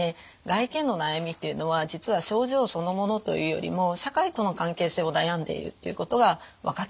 外見の悩みっていうのは実は症状そのものというよりも社会との関係性を悩んでいるっていうことが分かってきました。